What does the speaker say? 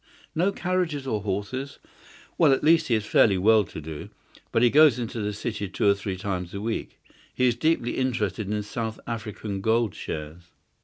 "No carriages or horses?" "Well, at least he is fairly well to do. But he goes into the City two or three times a week. He is deeply interested in South African gold shares."